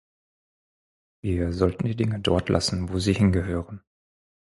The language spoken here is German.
Wir sollten die Dinge dort lassen, wo sie hingehören.